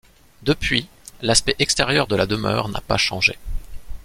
Depuis, l'aspect extérieur de la demeure n'a pas changé.